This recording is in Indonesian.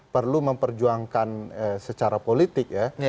perlu memperjuangkan secara politik ya